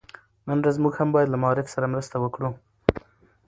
نن ورځ موږ هم بايد له معارف سره مرسته وکړو.